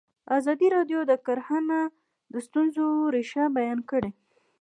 ازادي راډیو د کرهنه د ستونزو رېښه بیان کړې.